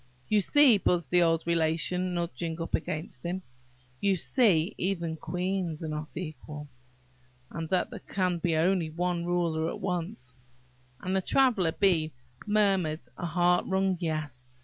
"You see," buzzed the old Relation, nudging up against him,–"You see even queens are not equal! and that there can be but one ruler at once!" And the Traveller bee murmured a heart wrung "Yes."